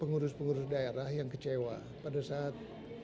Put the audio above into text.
pengurus pengurus daerah yang kecewa pada saat